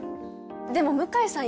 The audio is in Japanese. でも向井さん